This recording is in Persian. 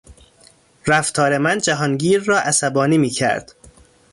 رفتار من جهانگیر را عصبانی میکرد.